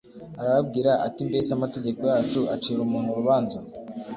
arababwira ati mbese amategeko yacu acira umuntu urubanza